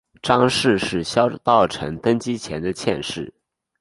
张氏是萧道成登基前的妾室。